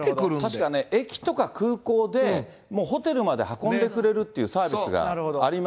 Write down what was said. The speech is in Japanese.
確かね、駅とか空港で、ホテルまで運んでくれるっていうサービスがありま